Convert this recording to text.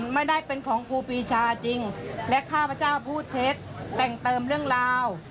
ไม่ได้เป็นของครูปีชาจริงและข้าพเจ้าพูดเท็จแต่งเติมเรื่องราว